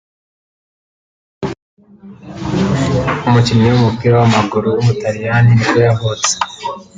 umukinnyi w’umupira w’amaguru w’umutaliyani nibwo yavutse